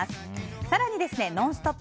更に、「ノンストップ！」